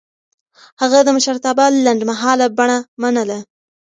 هغه د مشرتابه لنډمهاله بڼه منله.